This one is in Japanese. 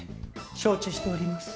承知しております。